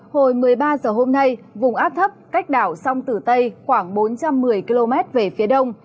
hồi một mươi ba h hôm nay vùng áp thấp cách đảo sông tử tây khoảng bốn trăm một mươi km về phía đông